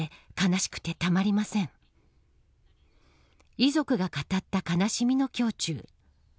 遺族が語った悲しみの胸中。